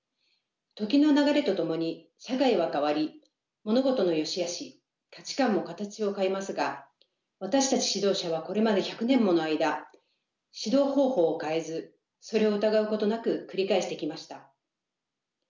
時の流れとともに社会は変わり物事の善しあし価値観も形を変えますが私たち指導者はこれまで１００年もの間指導方法を変えずそれを疑うことなく繰り返してきました。